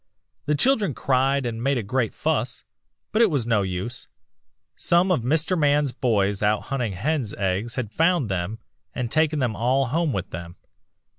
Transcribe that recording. The children cried and made a great fuss, but it was no use. Some of Mr. Man's boys out hunting hen's nests had found them and taken them all home with them.